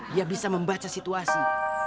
dia bisa membaca situasi